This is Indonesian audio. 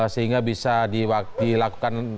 sehingga bisa dilakukan